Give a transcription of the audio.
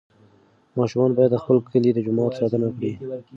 ماشومان باید د خپل کلي د جومات ساتنه وکړي.